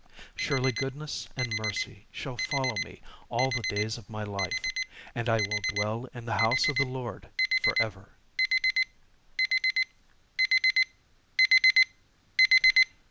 6 Surely goodness and mercy shall follow me all the days of my life: and I will dwell in the house of the LORD for ever.